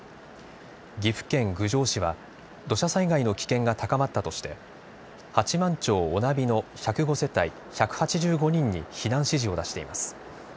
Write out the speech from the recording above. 岐阜県郡上市は土砂災害の危険が高まったとして八幡町小那比の１０５世帯１８５人に避難指示を出しています。